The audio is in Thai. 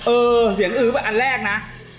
เออเสียงอื้อป่ะอันแรกนะ